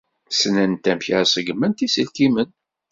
Ssnent amek ad ṣeggment iselkimen.